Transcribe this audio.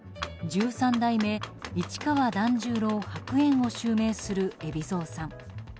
十三代目市川團十郎白猿を襲名する海老蔵さん。